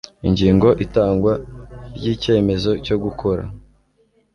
Ingingo Itangwa ry icyemezo cyo gukora